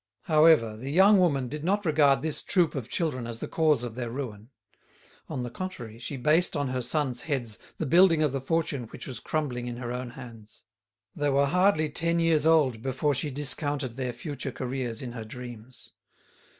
However, the young woman did not regard this troop of children as the cause of their ruin. On the contrary, she based on her sons' heads the building of the fortune which was crumbling in her own hands. They were hardly ten years old before she discounted their future careers in her dreams.